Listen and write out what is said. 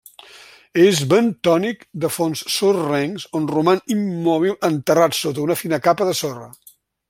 És bentònic de fons sorrencs on roman immòbil enterrat sota una fina capa de sorra.